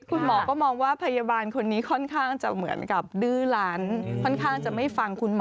คุณหมอก็มองว่าพยาบาลคนนี้ค่อนข้างจะเหมือนกับดื้อหลานค่อนข้างจะไม่ฟังคุณหมอ